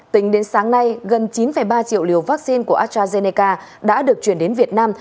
tính đến sáng nay gần chín ba triệu liều vaccine của astrazeneca đã được chuyển đến việt nam